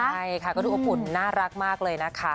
ใช่ค่ะก็ดูอบอุ่นน่ารักมากเลยนะคะ